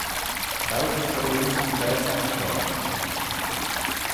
Choud as ta mee ayns yn faasagh shoh.